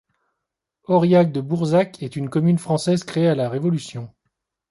Auriac-de-Bourzac est une commune française créée à la Révolution.